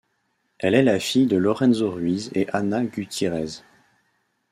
Elle est la fille de Lorenzo Ruiz et Ana Gutierrez.